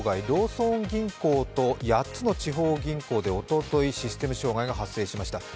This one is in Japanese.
ローソン銀行と８つの地方銀行でおととい、システム障害が発生しました。